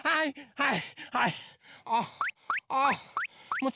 はい。